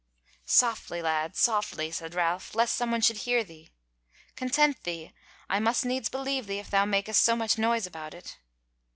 "Softly lad, softly," said Ralph, "lest some one should hear thee. Content thee, I must needs believe thee if thou makest so much noise about it."